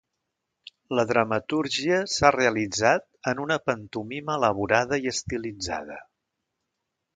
La dramatúrgia s’ha realitzat en una pantomima elaborada i estilitzada.